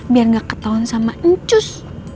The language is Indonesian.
biar gak ketahuan sama encus